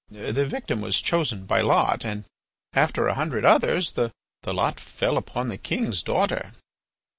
The victim was chosen by lot, and after a hundred others, the lot fell upon the king's daughter.